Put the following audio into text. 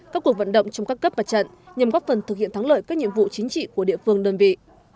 các cuộc vận động trong các cấp và trận nhằm góp phần thực hiện thắng lợi các nhiệm vụ chính trị của địa phương đơn vị